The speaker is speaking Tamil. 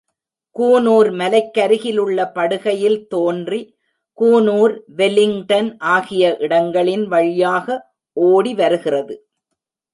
கூனூர் மலைக்கருகிலுள்ள படுகையில் தோன்றி, கூனூர், வெல்லிங்டன் ஆகிய இடங்களின் வழியாக ஓடி வருகிறது.